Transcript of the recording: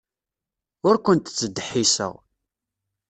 Ur kent-ttdeḥḥiseɣ.